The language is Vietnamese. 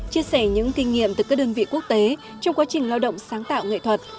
chia sẻ những kinh nghiệm từ các đơn vị quốc tế trong quá trình lao động sáng tạo nghệ thuật